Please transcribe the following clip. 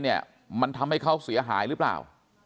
เนี่ยมันทำให้เขาเสียหายหรือเปล่า